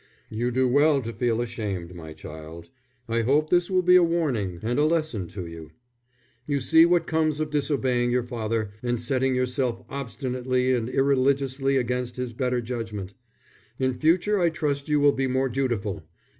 "You do well to feel ashamed, my child. I hope this will be a warning and a lesson to you. You see what comes of disobeying your father, and setting yourself obstinately and irreligiously against his better judgment. In future I trust you will be more dutiful.